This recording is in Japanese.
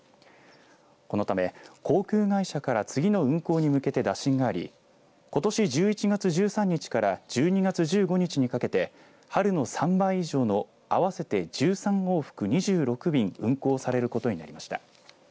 このため航空会社から次の運航に向けて打診がありことし１１月１３日から１２月１５日にかけて春の３倍以上の合わせて１３往復２６便運航されることになりました。